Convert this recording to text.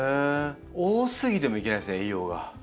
多すぎてもいけないんですね栄養が。